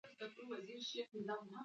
تنظیم ښه دی.